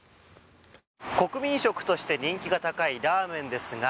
国民食として人気が高いラーメンですが